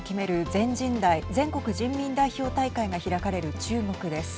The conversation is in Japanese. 全人代＝全国人民代表大会が開かれる中国です。